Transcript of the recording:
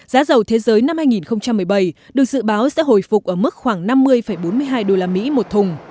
giá giàu thế giới năm hai nghìn một mươi bảy được dự báo sẽ hồi phục ở mức khoảng năm mươi bốn mươi hai đô la mỹ một thùng